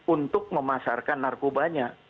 untuk memasarkan narkobanya